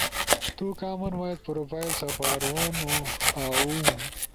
تو کامن وائس پروفائل سپارونو اؤ